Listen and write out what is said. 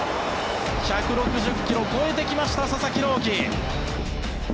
１６０キロを超えてきました佐々木朗希。